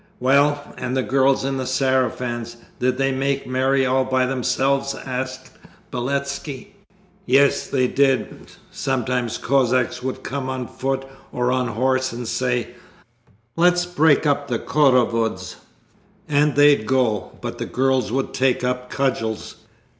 'Well, and the girls in the sarafans, did they make merry all by themselves?' asked Beletski. 'Yes, they did! Sometimes Cossacks would come on foot or on horse and say, "Let's break up the khorovods," and they'd go, but the girls would take up cudgels.